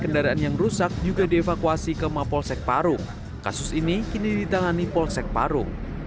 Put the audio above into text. kendaraan yang rusak juga dievakuasi ke mapolsek parung kasus ini kini ditangani polsek parung